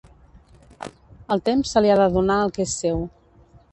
Al temps se li ha de donar el que és seu.